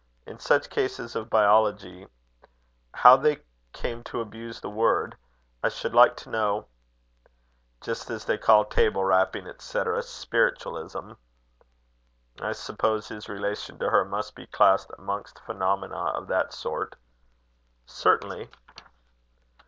In such cases of biology how they came to abuse the word, I should like to know " "Just as they call table rapping, &c., spiritualism." "I suppose his relation to her must be classed amongst phenomena of that sort?" "Certainly."